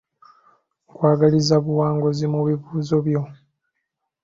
Nkwagaliza buwanguzi mu bibuuzo byo.